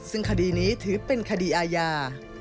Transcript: ซึ่งคดีนี้ถือเป็นคดีอาญา